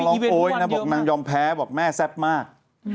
อุ้ยนะบอกนางยอมแพ้แซ่บมาก